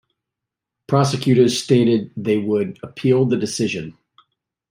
Prosecutors stated they would appeal the decision.